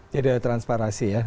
jadi ada transparansi ya